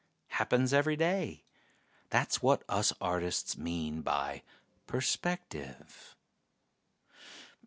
Happens every day; that's what us artists mean by perspective.